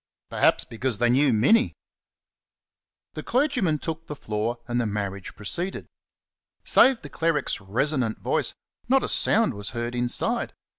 Perhaps because they knew Minnie. The clergyman took the floor, and the marriage proceeded. Save the cleric's resonant voice, not a sound was heard inside.